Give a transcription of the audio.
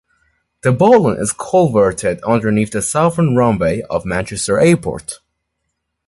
The Bollin is culverted underneath the southern runway of Manchester Airport.